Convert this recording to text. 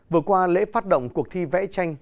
vừa qua lễ phát động cuộc thi vẽ tranh